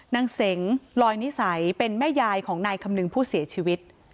นางเสงลอยนิสัยเป็นแม่ยายของนายคำนึงผู้เสียชีวิต